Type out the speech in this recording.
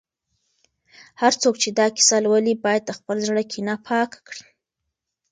هر څوک چې دا کیسه لولي، باید د خپل زړه کینه پاکه کړي.